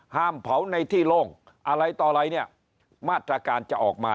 เผาในที่โล่งอะไรต่ออะไรเนี่ยมาตรการจะออกมา